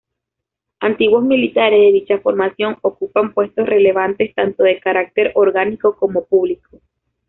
Antiguos militantes de dicha formación ocupan puestos relevantes tanto de carácter orgánico como público.